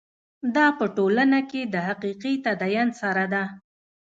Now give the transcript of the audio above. دا په ټولنه کې د حقیقي تدین سره ده.